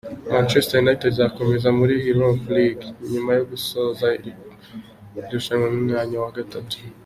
Manchester United izakomereza muri Europa League nyuma yo gusoza iri ku mwanya wa gatatu.